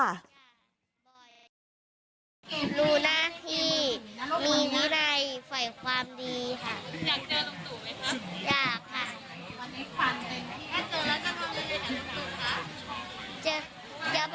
รู้หน้าที่มีวินัยฝ่ายความดีค่ะ